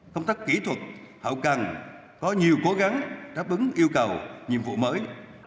công tác kỹ thuật hậu cần có nhiều cố gắng đáp ứng yêu cầu nhiệm vụ mới